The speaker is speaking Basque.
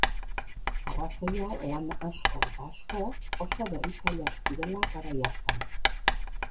Arrazoia lan asko eta asko oso berritzaileak zirela garai hartan.